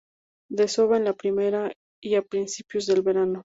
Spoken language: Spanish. Desova en la primavera y a principios del verano.